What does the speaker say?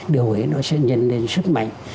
điều ấy nó sẽ nhân lên sức mạnh